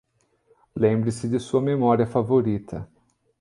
Lembre-se de sua memória favorita.